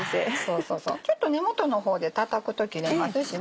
ちょっと根元の方でたたくと切れますしね。